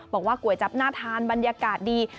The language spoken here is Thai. บอกว่าก๋วยจั๊บน่าทานบรรยากาศดี